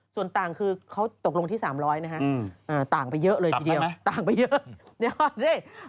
ส่วนต่างคือเขาตกลงที่๓๐๐นะฮะต่างไปเยอะเลยทีเดียวต่างไปเยอะเดี๋ยวดิ